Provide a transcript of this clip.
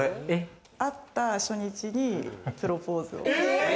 会った初日にプロポーズを。